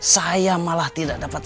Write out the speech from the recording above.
saya malah tidak dapat